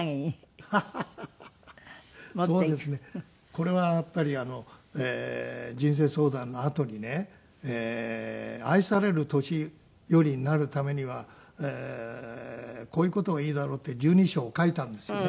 これはやっぱり人生相談のあとにね愛される年寄りになるためにはこういう事がいいだろうって１２章を書いたんですよね。